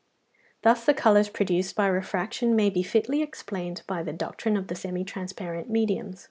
Thus the colours produced by refraction may be fitly explained by the doctrine of the semi transparent mediums.